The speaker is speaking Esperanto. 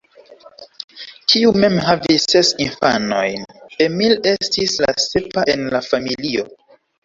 Tiu mem havis ses infanojn, Emil estis la sepa en la familio.